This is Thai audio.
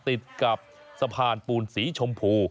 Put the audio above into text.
ติดกับสะพานปูนสีชมพู